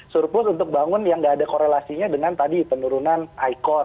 surplus untuk bangun yang nggak ada korelasinya dengan tadi penurunan icor